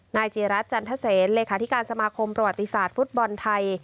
จีรัฐจันทเซนเลขาธิการสมาคมประวัติศาสตร์ฟุตบอลไทย